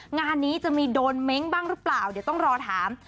งานนี้จะมีโดนเม้งบ้างหรือเปล่าเดี๋ยวต้องรอถาม